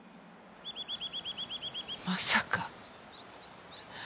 まさか。